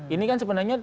ini kan sebenarnya